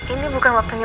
ini bukan waktunya